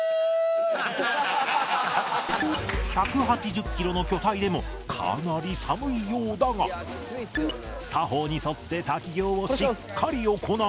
「」１８０キロの巨体でもかなり寒いようだが作法に沿って滝行をしっかり行い